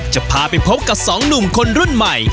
จะพาไปพบกับสองหนุ่มคนรุ่นใหม่